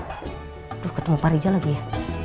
aduh ketemu pak rijal lagi ya